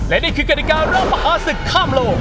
และนี่คือกฎิการร่วมมหาศึกข้ามโลก